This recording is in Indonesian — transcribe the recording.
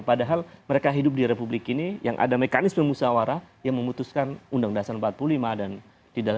padahal mereka hidup di republik ini yang ada mekanisme musawarah yang memutuskan undang dasar empat puluh lima dan tidak